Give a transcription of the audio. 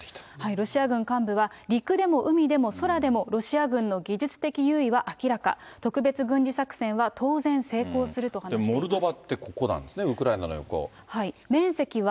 ロシア軍幹部は、陸でも海でも空でも、ロシア軍の技術的優位は明らか。特別軍事作戦は当然、成功すると話しています。